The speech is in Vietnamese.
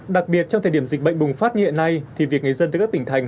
đặc biệt trong thời điểm dịch bệnh bùng phát như hiện nay thì việc người dân tới các tỉnh thành